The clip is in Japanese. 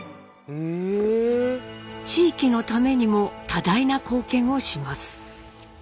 地域のためにも多大な貢献をします。